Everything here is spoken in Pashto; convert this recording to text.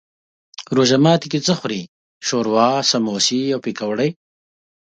روژه ماتی کی څه خورئ؟ شوروا، سموسي او پکوړي